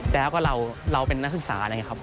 แล้วก็เราเราเป็นนักศึกษานะครับ